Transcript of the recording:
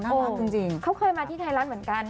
น่ารักจริงเค้าเคยมาที่ไทยรัฐเหมือนกัน